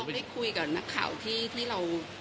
ได้คุยกับนักข่าวที่เรา